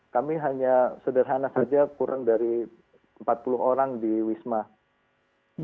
kami hanya sederhana saja kurang dari empat puluh orang di wisma